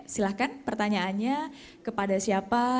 silahkan pertanyaannya kepada siapa